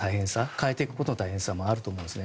変えていくことの大変さもあると思うんですね。